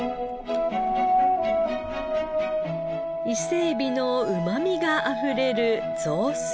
伊勢エビのうまみがあふれる雑炊。